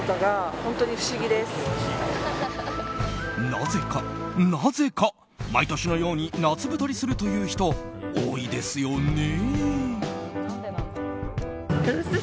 なぜか、なぜか、毎年のように夏太りするという人多いですよね。